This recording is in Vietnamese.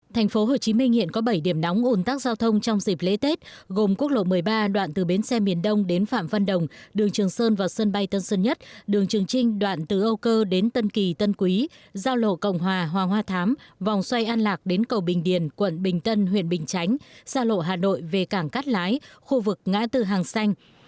thành phố hồ chí minh hiện có bảy điểm nóng ủn tắc giao thông trong dịp lễ tết gồm quốc lộ một mươi ba đoạn từ bến xe miền đông đến phạm văn đồng đường trường sơn vào sân bay tân sơn nhất đường trường trinh đoạn từ âu cơ đến tân kỳ tân quý giao lộ cộng hòa hoa hoa thám vòng xoay an lạc đến cầu bình điền quận bình tân huyện bình chánh giao lộ hà nội về cảng cát lái khu vực ngã từ hàng xanh